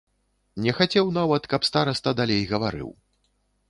Не хацеў нават, каб стараста далей гаварыў.